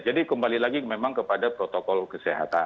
jadi kembali lagi memang kepada protokol kesehatan